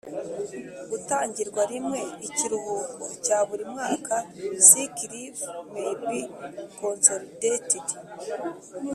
gutangirwa rimwe Ikiruhuko cya buri mwaka sick leave may be consolidated